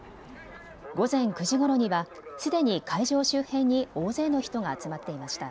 午前９時ごろにはすでに会場周辺に大勢の人が集まっていました。